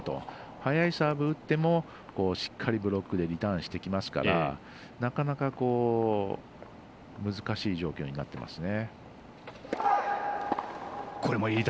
速いサーブを打ってもしっかりブロックでリターンしてきますからなかなか難しい状況になってますね。